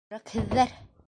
Йөрәкһеҙҙәр!